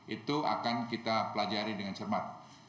itu akan kita pelajari dengan cermat